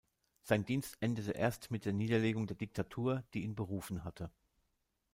Sein Dienst endete erst mit der Niederlegung der Diktatur, die ihn berufen hatte.